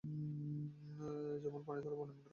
যেমন -পানিতে লবণের দ্রবণ।